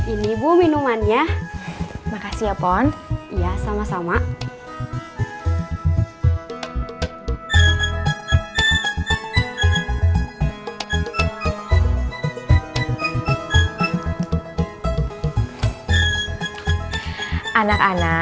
ini berapa tin